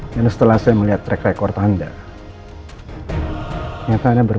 apalagi saya tahu pak nino kerja di perusahaan adik cipta mandiri